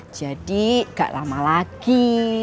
jadi gak lama lagi